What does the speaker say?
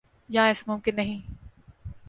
یہاں ایسا ممکن نہیں۔